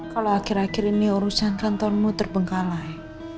kalau akhir akhir ini urusan tontonmu terbengkalai